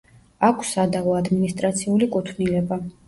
აქვს სადავო ადმინისტრაციული კუთვნილება.